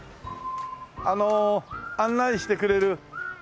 あの案内してくれる方ですか？